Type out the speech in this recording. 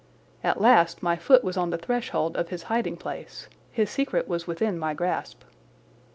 At last my foot was on the threshold of his hiding place—his secret was within my grasp.